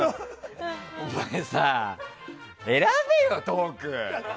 お前さ選べよ、トーク。